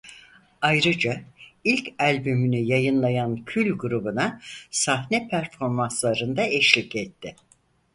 Ayrıca ilk albümünü yayınlayan Kül grubuna sahne performanslarında eşlik etti.